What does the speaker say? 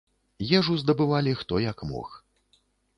Ежу здабывалі хто як мог.